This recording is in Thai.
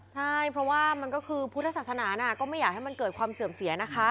ใช่เพราะว่ามันก็คือพุทธศาสนาก็ไม่อยากให้มันเกิดความเสื่อมเสียนะคะ